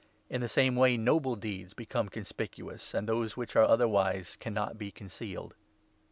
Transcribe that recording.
In the 25 same way noble deeds become conspicuous, and those which are otherwise cannot be concealed.